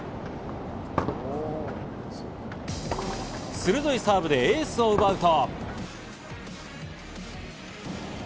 鋭いサーブでエースを奪うと。